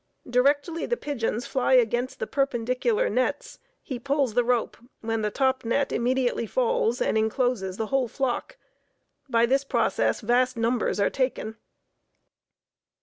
Directly the pigeons fly against the perpendicular nets, he pulls the rope, when the top net immediately falls and incloses the whole flock; by this process vast numbers are taken."